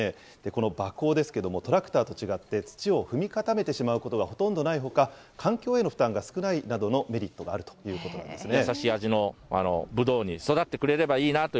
この馬耕ですけれども、トラクターと違って土を踏み固めてしまうことがほとんどないほか、環境への負担が少ないなどのメリットがあるということなんですね。